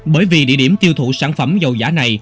bởi vì địa điểm tiêu thụ sản phẩm dầu giả này